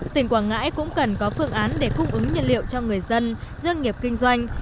tỉnh quảng ngãi cũng cần có phương án để cung ứng nhiên liệu cho người dân doanh nghiệp kinh doanh